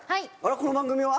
この番組は？